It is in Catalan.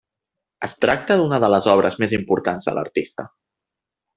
Es tracta d'una de les més obres importants de l'artista.